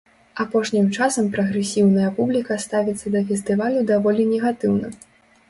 Апошнім часам прагрэсіўная публіка ставіцца да фестывалю даволі негатыўна.